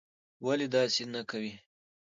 ولي داسې نه کوې?